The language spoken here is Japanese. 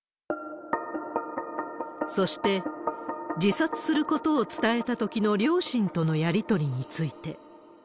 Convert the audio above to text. そして、自殺することを伝えたときの両親とのやり取りについて。